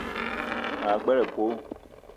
Ma gbele épölo